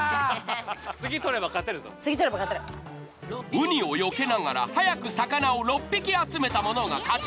ウニをよけながら早く魚を６匹集めた者が勝ち。